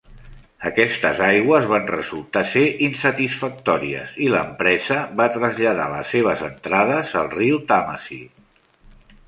Aquestes aigües van resultar ser insatisfactòries i l'empresa va traslladar les seves entrades al riu Tàmesi.